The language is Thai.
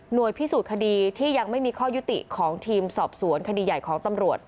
โดยพิสูจน์คดีที่ยังไม่มีข้อยุติของทีมสอบสวนคดีใหญ่ของตำรวจ